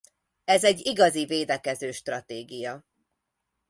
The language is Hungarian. Ez egy igazi védekező stratégia.